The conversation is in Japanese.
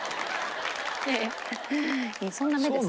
そんな目です。